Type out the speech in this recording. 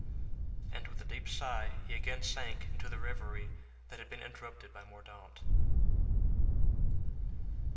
And with a deep sigh he again sank into the reverie that had been interrupted by Mordaunt.